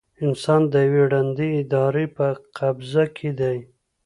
انسان د یوې ړندې ارادې په قبضه کې دی.